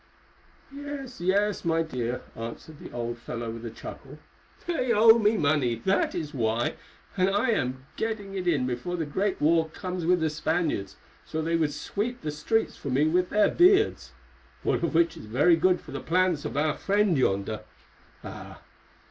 "Yes, yes, my dear," answered the old fellow with a chuckle; "they owe me money, that is why, and I am getting it in before the great war comes with the Spaniards, so they would sweep the streets for me with their beards—all of which is very good for the plans of our friend yonder. Ah!